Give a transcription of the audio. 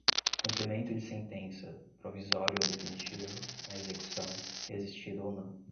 cumprimento de sentença, provisório ou definitivo, na execução, resistida ou não